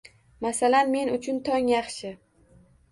Masalan men uchun tong yaxshi.